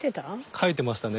書いてましたね。